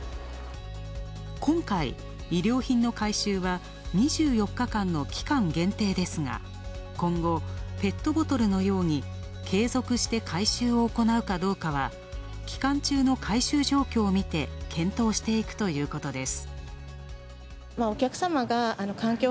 今回衣料品の回収は２４日間の期間限定ですが、今後ペットボトルのように継続して回収を行うかどうかは、期間中の回収状況を見て検討していくということです。